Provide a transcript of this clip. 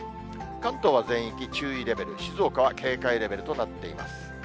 関東は全域注意レベル、静岡は警戒レベルとなっています。